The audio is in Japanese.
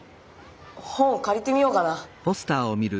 本をかりてみようかな。